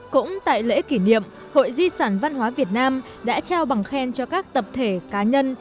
cũng tại lễ kỷ niệm hội di sản văn hóa việt nam đã trao bằng khen cho các tập thể cá nhân